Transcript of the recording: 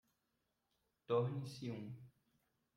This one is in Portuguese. Torne-se um